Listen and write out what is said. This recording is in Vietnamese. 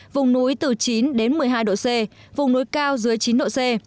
vùng núi từ chín đến một mươi hai độ c vùng núi cao dưới chín độ c